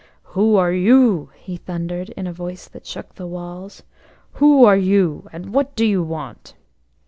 "Who are you?" he thundered, in a voice that shook the walls. "Who are you, and what do you want?"